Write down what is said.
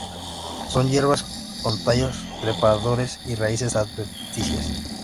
Son hierbas con tallos trepadores y raíces adventicias.